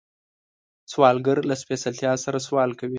سوالګر له سپېڅلتیا سره سوال کوي